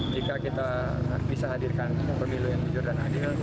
jika kita bisa hadirkan pemilu yang jujur dan adil